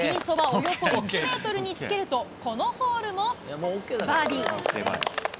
およそ１メートルにつけると、このホールもバーディー。